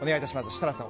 設楽さん